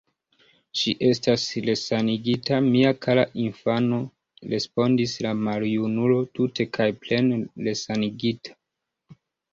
Ŝi estas resanigita, mia kara infano, respondis la maljunulo, tute kaj plene resanigita.